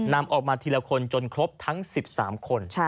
นำออกมาทีละคนจนครบทั้ง๑๓คน